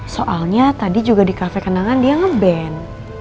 soalnya tadi juga di kafe kenangan dia nge ban